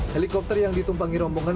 helikopter yang ditumpangi rombongan